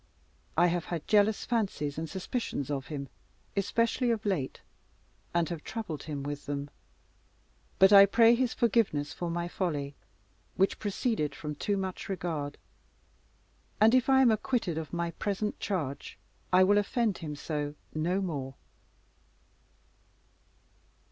I have had jealous fancies and suspicions of him, especially of late, and have troubled him with them; but I pray his forgiveness for my folly, which proceeded from too much regard, and if I am acquitted of my present charge, I will offend him so no more."